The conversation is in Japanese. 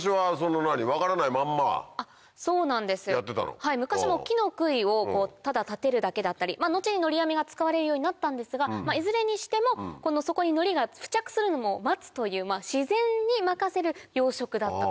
はい昔も木の杭をただ立てるだけだったり後にのり網が使われるようになったんですがいずれにしてもそこにのりが付着するのを待つという自然に任せる養殖だったと。